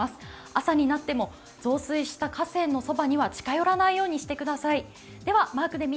朝になっても増水した河川のそばには近寄らないようにしてください。